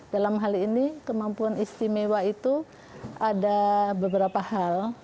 dalam hal ini kemampuan istimewa itu ada beberapa hal